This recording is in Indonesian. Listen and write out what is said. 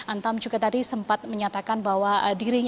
antam juga tadi sempat menyatakan bahwa dirinya